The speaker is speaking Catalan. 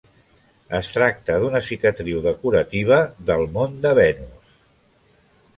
Es tracta d'una cicatriu decorativa del mont de Venus.